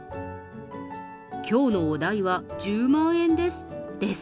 きょうのお代は１０万円です！です